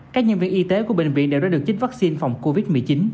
các nhân viên y tế của bệnh viện đều đã được chích vaccine phòng covid một mươi chín